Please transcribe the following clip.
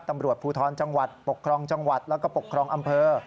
ตำรวจภูทรจังหวัดปกครองจังหวัดแล้วก็ปกครองอำเภอ